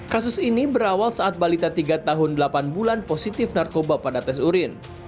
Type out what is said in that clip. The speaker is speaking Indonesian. kasus ini berawal saat balita tiga tahun delapan bulan positif narkoba pada tes urin